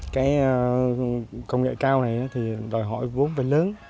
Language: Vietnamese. cái công nghệ cao này thì đòi hỏi vốn về lớn